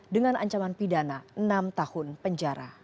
dengan ancaman pidana enam tahun penjara